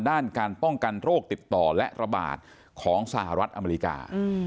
ด้านการป้องกันโรคติดต่อและระบาดของสหรัฐอเมริกา